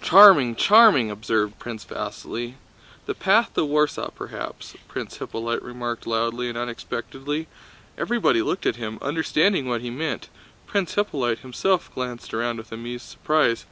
"Charming, charming!" observed Prince Vasíli. "The path to Warsaw, perhaps," Prince Hippolyte remarked loudly and unexpectedly. Everybody looked at him, understanding what he meant. Prince Hippolyte himself glanced around with amused surprise.